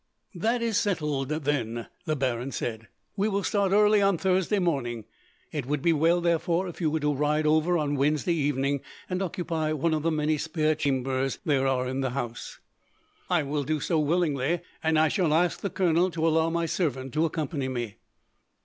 "That is settled, then," the baron said. "We start early on Thursday morning. It would be well, therefore, if you were to ride over on Wednesday evening, and occupy one of the many spare chambers there are in the house." "I will do so willingly; and I shall ask the colonel to allow my servant to accompany me."